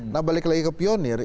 nah balik lagi ke pionir